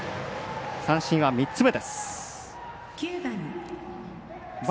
三振は３つ目です。